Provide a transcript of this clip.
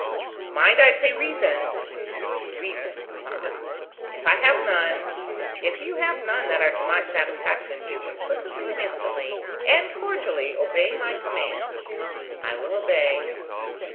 "Mind, I say reasons." "Reasons, papa. If I have none ..." "If you have none that are to my satisfaction, you implicitly and instantly, and cordially obey my command." "I will obey."